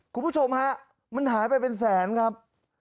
คุณผู้ชมฮะมันหายไปเป็นแสนครับ